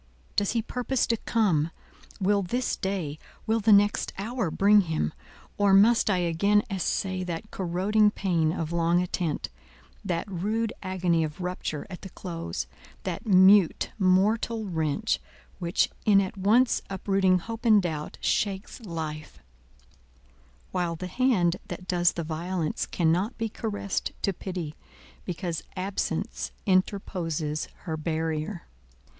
Does he purpose to come? Will this day—will the next hour bring him? or must I again assay that corroding pain of long attent—that rude agony of rupture at the close, that mute, mortal wrench, which, in at once uprooting hope and doubt, shakes life; while the hand that does the violence cannot be caressed to pity, because absence interposes her barrier!